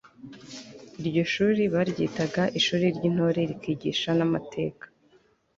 iryo shuli baryitaga ishuri ry'intore rikigisha n'amateka